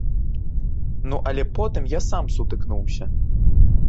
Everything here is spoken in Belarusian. Ну але потым я сам сутыкнуўся.